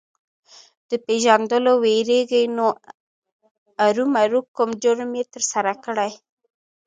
د پېژندلو وېرېږي نو ارومرو کوم جرم یې ترسره کړی.